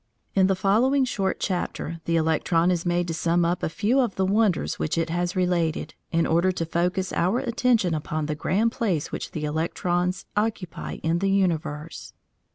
In the following short chapter the electron is made to sum up a few of the wonders which it has related, in order to focus our attention upon the grand place which the electrons occupy in the universe.